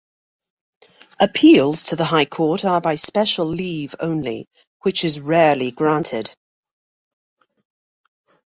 Appeals to the High Court are by special leave only, which is rarely granted.